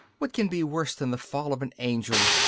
what can be worse than the fall of an angel?